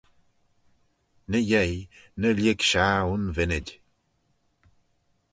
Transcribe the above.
Ny-yeih ny lhig shaghey un vinnid.